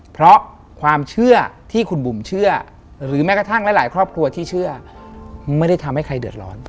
เพราะความเชื่อที่คุณบุ๋มเชื่อหรือแม้กระทั่งหลายครอบครัวที่เชื่อไม่ได้ทำให้ใครเดือดร้อน